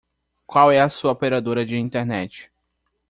Qual é a sua operadora de internet?